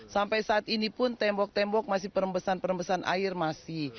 sampai saat ini pun tembok tembok masih perembesan perembesan air masih